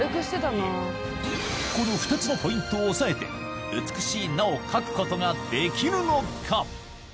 この２つのポイントを抑えて美しい「な」を書くことができるのか？